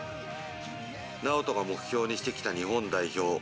直人が目標にしてきた日本代表。